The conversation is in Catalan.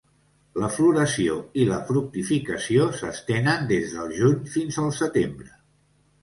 La floració i la fructificació s'estenen des del juny fins al setembre.